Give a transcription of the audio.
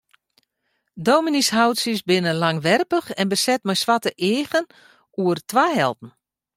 Dominyshoutsjes binne langwerpich en beset mei swarte eagen oer twa helten.